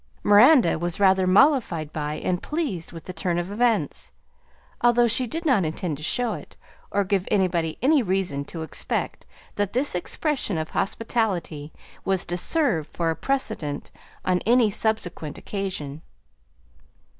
Miranda was rather mollified by and pleased with the turn of events, although she did not intend to show it, or give anybody any reason to expect that this expression of hospitality was to serve for a precedent on any subsequent occasion.